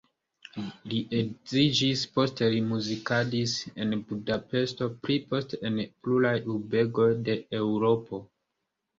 Li edziĝis, poste li muzikadis en Budapeŝto, pli poste en pluraj urbegoj de Eŭropo.